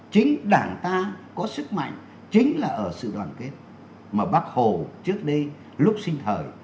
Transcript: chính đảng ta có sức mạnh chính là ở sự đoàn kết mà bác hồ trước đây lúc sinh thời